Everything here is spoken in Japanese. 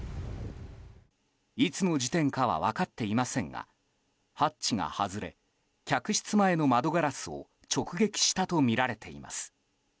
いつの時点かは分かっていませんがハッチが外れ客室前の窓ガラスを直撃したとみられています。